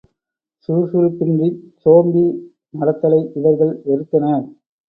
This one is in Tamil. சுறுசுறுப்பின்றிச் சோம்பி நடத்தலை இவர்கள் வெறுத்தனர்.